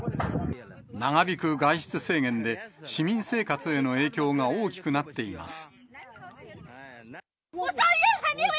長引く外出制限で、市民生活への影響が大きくなっています。